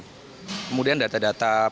kemudian data data pengguna